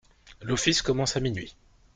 L'office commence à minuit.